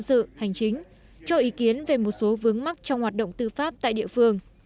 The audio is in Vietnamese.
theo ý kiến về một số vướng mắc trong hoạt động tư pháp tại địa phương